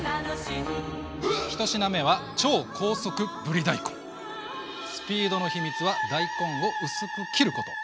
１品目はスピードの秘密は大根を薄く切ること。